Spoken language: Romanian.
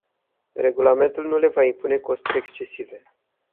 Regulamentul nu le va impune costuri excesive.